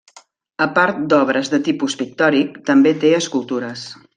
A part d'obres de tipus pictòric, també té escultures.